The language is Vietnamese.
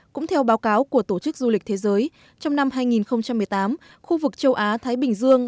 cũng theo báo cáo của tổ chức du lịch thế giới trong năm hai nghìn một mươi tám khu vực châu á thái bình dương